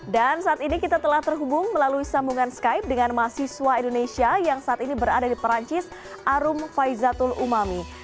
dan saat ini kita telah terhubung melalui sambungan skype dengan mahasiswa indonesia yang saat ini berada di perancis arum faizatul umami